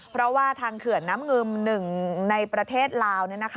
เพราะว่าทางเขื่อนน้ำงึมหนึ่งในประเทศลาว